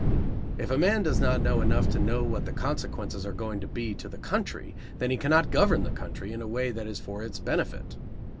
If a man does not know enough to know what the consequences are going to be to the country, then he cannot govern the country in a way that is for its benefit.